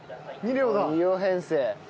２両編成。